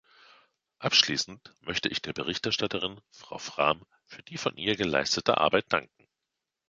Abschließend möchte ich der Berichterstatterin, Frau Frahm, für die von ihr geleistete Arbeit danken.